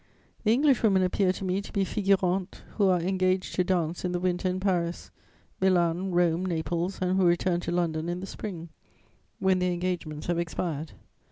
The Englishwomen appear to me to be figurantes who are engaged to dance in the winter in Paris, Milan, Rome, Naples, and who return to London in the spring, when their engagements have expired.